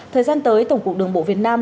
thời gian tới tổng cục đường bộ việt nam